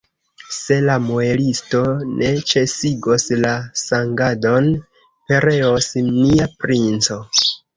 Se la muelisto ne ĉesigos la sangadon, pereos nia princo!